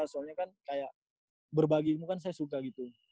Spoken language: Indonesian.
soalnya kan kayak berbagi ilmu kan saya suka gitu